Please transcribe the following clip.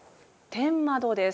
天窓です。